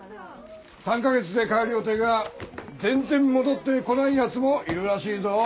３か月で帰る予定が全然戻ってこない奴もいるらしいぞ。